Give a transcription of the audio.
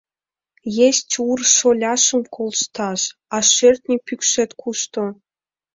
Есть Ур шоляшым колташ А шӧртньӧ пӱкшет кушто?